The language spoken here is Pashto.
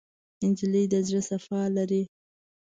نجلۍ د زړه صفا لري.